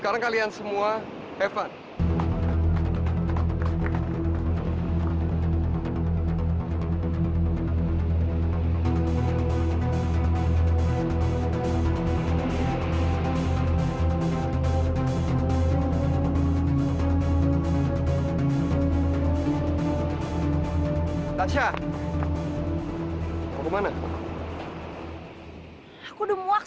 kalau ada yang suka seperti ini dong